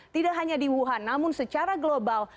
tidak hanya di wuhan namun secara global